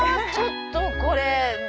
ちょっとこれ！